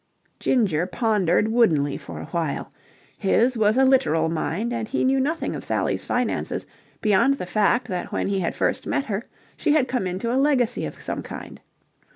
Ginger pondered woodenly for a while. His was a literal mind, and he knew nothing of Sally's finances beyond the fact that when he had first met her she had come into a legacy of some kind.